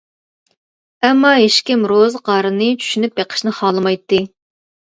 ئەمما ھېچكىم روزى قارىنى چۈشىنىپ بېقىشنى خالىمايتتى.